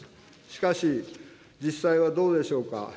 しかし、実際はどうでしょうか。